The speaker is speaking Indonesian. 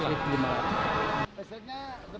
ini untuk satu lima ratus lah